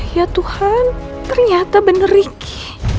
ya tuhan ternyata benar ricky